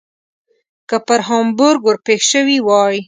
که پر هامبورګ ور پیښ شوي وای.